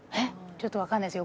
ちょっとわかんないです